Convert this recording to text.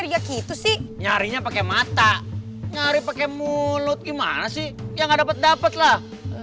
begitu sih nyarinya pakai mata nyari pakai mulut gimana sih